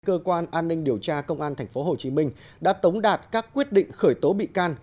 cơ quan an ninh điều tra công an tp hcm đã tống đạt các quyết định khởi tố bị can